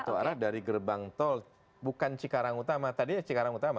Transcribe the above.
satu arah dari gerbang tol bukan cikarang utama tadi ya cikarang utama